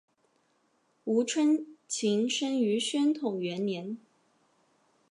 吴春晴生于宣统元年。